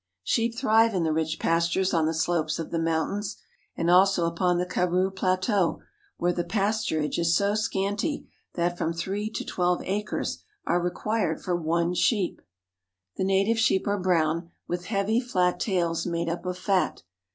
Sheep 286 AFRICA thrive in the rich pastures on the slopes of tJie mountains, and also upon the Karroo plateau, where the pasturage is so scanty that from three to twelve acres are required for one sheep. The native sheep are brown, with heavy, flat tails made up of fat.